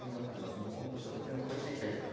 日本としては得点を返していきたい。